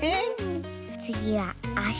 つぎはあし！